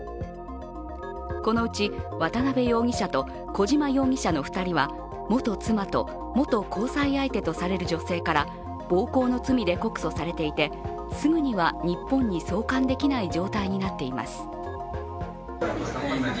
このうち渡辺容疑者と小島容疑者の２人は元妻と元交際相手とされる女性から暴行の罪で告訴されていてすぐには日本に送還できない状態になっています。